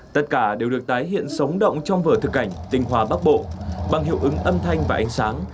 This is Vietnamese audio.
tất cả đều được tái hiện sống động trong vở thực cảnh tình hòa bắc bộ bằng hiệu ứng âm thanh và ánh sáng